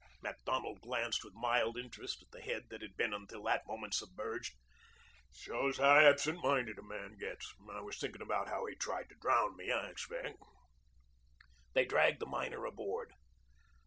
Macdonald glanced with mild interest at the head that had been until that moment submerged. "Shows how absent minded a man gets. I was thinking about how he tried to drown me, I expect." They dragged the miner aboard.